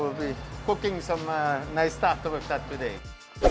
terima kasih kita akan memasak beberapa makanan yang bagus hari ini